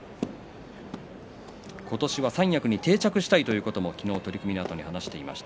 今年は三役に定着したいということを昨日は取組のあとに話していました。